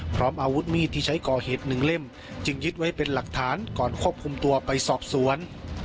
พร้อมอาวุธมีดที่ใช้ก่อเหตุหนึ่งเล่มจึงยึดไว้เป็นหลักฐานก่อนควบคุมตัวไปสอบสวน